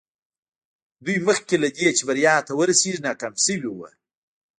دوی مخکې له دې چې بريا ته ورسېږي ناکام شوي وو.